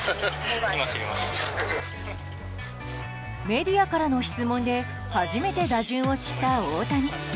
メディアからの質問で初めて打順を知った大谷。